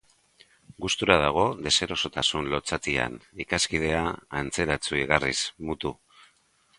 Gustura dago deserosotasun lotsatian, ikaskidea antzeratsu igarriz, mutu.